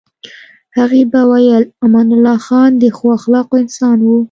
هغې به ویل امان الله خان د ښو اخلاقو انسان و.